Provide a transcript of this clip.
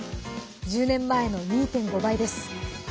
１０年前の２．５倍です。